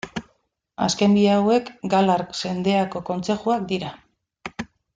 Azken bi hauek Galar Zendeako kontzejuak dira.